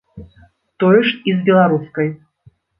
Тое ж і з беларускай.